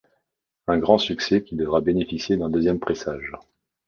Un grand succès qui devra bénéficier d'un deuxième pressage.